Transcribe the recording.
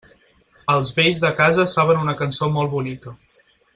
Els vells de casa saben una cançó molt bonica.